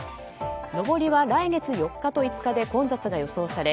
上りは来月４日と５日で混雑が予想され